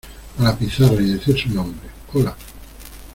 a la pizarra y decir su nombre. hola .